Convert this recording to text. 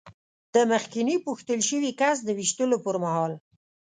د مخکېني پوښتل شوي کس د وېشتلو پر مهال.